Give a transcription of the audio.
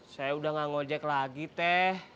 saya udah gak ngojek lagi teh